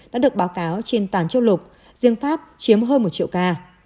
đã được báo cáo trên toàn châu lục riêng pháp chiếm hơn một triệu ca